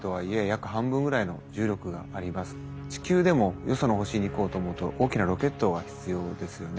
地球でもよその星に行こうと思うと大きなロケットが必要ですよね。